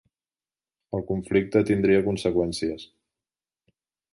El conflicte tindria conseqüències.